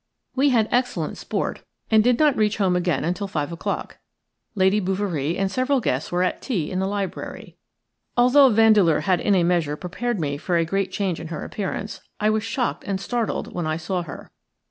We had excellent sport and did not reach home again until five o'clock. Lady Bouverie and several guests were at tea in the library. Although Vandeleur had in a measure prepared me for a great change in her appearance, I was shocked and startled when I saw her.